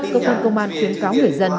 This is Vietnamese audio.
cơ quan công an khuyến cáo người dân